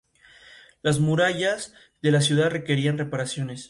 Propuso al rey el proyecto de instalar una Casa de Moneda en Chile.